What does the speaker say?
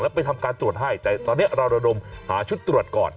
ไปทำการตรวจให้แต่ตอนนี้เราระดมหาชุดตรวจก่อน